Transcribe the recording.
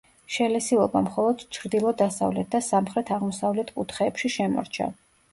შელესილობა მხოლოდ ჩრდილო-დასავლეთ და სამხრეთ-აღმოსავლეთ კუთხეებში შემორჩა.